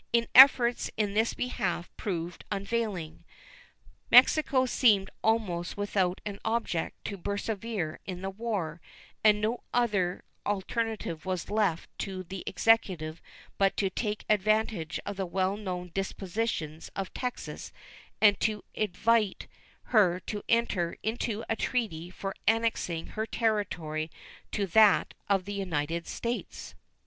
Its efforts in this behalf proved unavailing. Mexico seemed almost without an object to persevere in the war, and no other alternative was left the Executive but to take advantage of the well known dispositions of Texas and to invite her to enter into a treaty for annexing her territory to that of the United States.